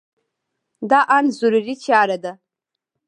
دا ان ضروري چاره ده.